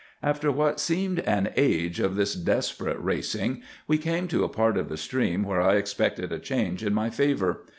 "After what seemed an age of this desperate racing, we came to a part of the stream where I expected a change in my favor.